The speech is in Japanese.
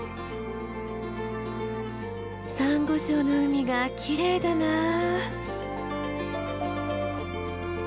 サンゴ礁の海がきれいだなあ。